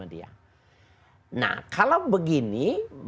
nah kalau begini